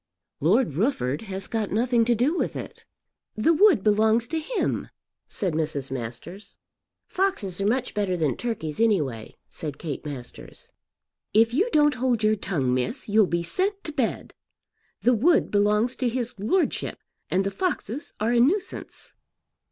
"Lord Rufford has got nothing to do with it." "The wood belongs to him," said Mrs. Masters. "Foxes are much better than turkeys anyway," said Kate Masters. "If you don't hold your tongue, miss, you'll be sent to bed. The wood belongs to his lordship, and the foxes are a nuisance."